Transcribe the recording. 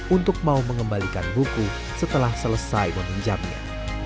untuk mau mengembalikan buku setelah selesai meminjamnya